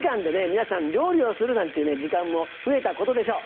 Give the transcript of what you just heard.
皆さん料理をするなんていう時間も増えたことでしょう。